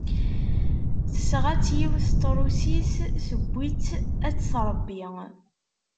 Tesɣa-tt yiwet n Trusit, tewwi-tt ad tt-tṛebbi.